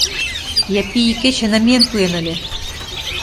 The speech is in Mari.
Япи икече намиен пуэн ыле...